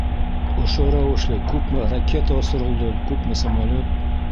Ошо рәүешле күпме «ракета» осоролдо, күпме самолет.